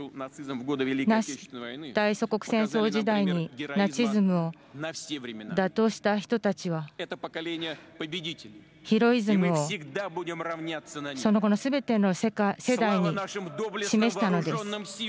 大祖国戦争時代にナチズムを打倒した人たちはヒロイズムを、その後のすべての世代に示したのです。